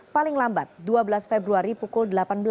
paling lambat dua belas februari pukul delapan belas